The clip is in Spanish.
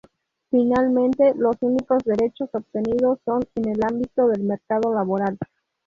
Finalmente, los únicos derechos obtenidos son en el ámbito del mercado laboral.